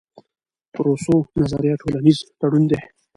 روسو نظریه ټولنیز تړون دئ.